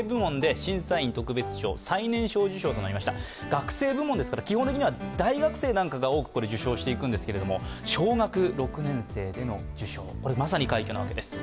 学生部門ですから、基本的には大学生などが多く受賞していくんですけれども、小学６年生での受賞、まさに快挙なわけです。